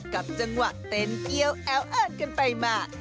กับจังหวะเต้นเอี้ยวแอ้วเอิญกันไปมา